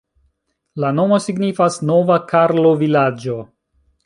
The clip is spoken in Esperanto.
La nomo signifas "Nova karlo-vilaĝo".